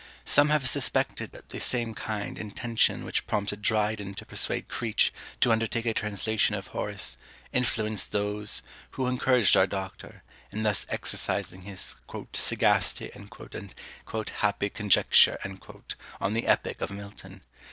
Some have suspected that the same kind intention which prompted Dryden to persuade Creech to undertake a translation of Horace influenced those who encouraged our Doctor, in thus exercising his "sagacity" and "happy conjecture" on the epic of Milton.